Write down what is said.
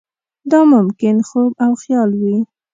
دا ممکن خوب او خیال وي.